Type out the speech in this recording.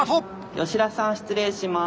吉田さん失礼します。